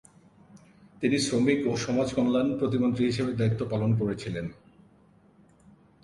তিনি শ্রমিক ও সমাজকল্যাণ প্রতিমন্ত্রী হিসাবে দায়িত্ব পালন করেছিলেন।